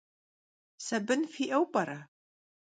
Sabın fi'eu p'ere?